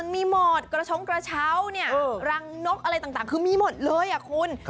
มีหมดกระชงกระเช้าเนี่ยรังนกอะไรต่างคือมีหมดเลยคุณ